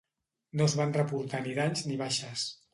No es van reportar ni danys ni baixes.